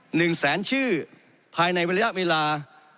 หนึ่งแสนชื่อภายในระยะเวลา